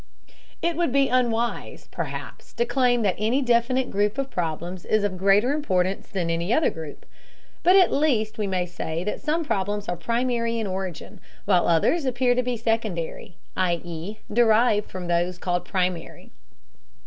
It would be unwise, perhaps, to claim that any definite group of problems is of greater importance than any other group. But at least we may say that some problems are primary in origin, while others appear to be secondary, i.e. derived from those called primary.